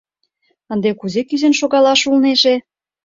Ынде кузе кӱзен шогалаш улнеже?..